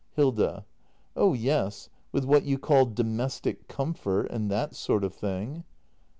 Hilda. Oh yes — with what you call domestic comfort — and that sort of thing.